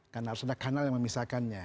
karena harus ada kanal yang memisahkannya